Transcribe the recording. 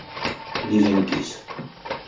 Ni venkis!